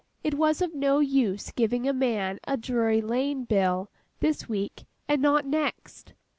It was of no use giving a man a Drury Lane bill this week and not next.